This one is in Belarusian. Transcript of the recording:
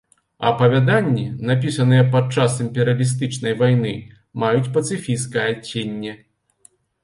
Апавяданні, напісаныя падчас імперыялістычнай вайны, маюць пацыфісцкае адценне.